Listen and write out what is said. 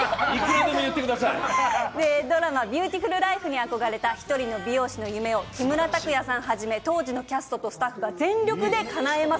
ドラマ「ビューティフルライフ」に憧れた一人の美容師の夢を木村拓哉さんはじめ、当時のキャストとスタッフが全力でかなえます。